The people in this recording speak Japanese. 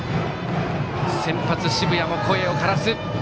先発、澁谷も声をからす。